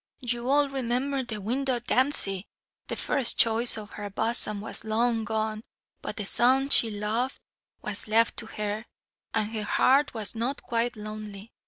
"You all remember the Widow Dempsy. The first choice of her bosom was long gone, but the son she loved was left to her, and her heart was not quite lonely.